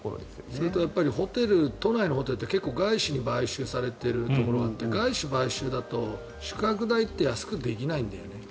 それとやっぱり都内のホテルって結構、外資に買収されているところがあって外資買収だと宿泊代って安くできないんだよね